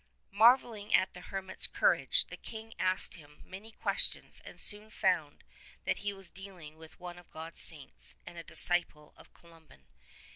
Marvelling at the hermit's courage, the King asked him many questions and soon found that he was dealing with one of God's Saints and a disciple of Columban.